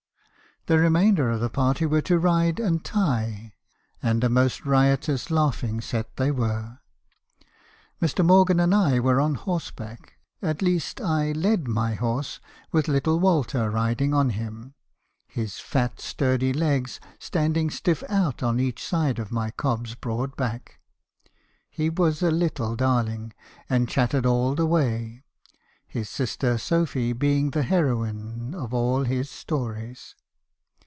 The remainder of the party were to ride and tie ; and a most riotous laughing set they were. Mr. Morgan and I were on horseback; at least I led my horse , with little Walter riding on him ; his fat , sturdy legs standing stiff out on each side of my cob's broad back. He was a little darling, and chattered all the way, his sister Sophy being the heroine of all his stories.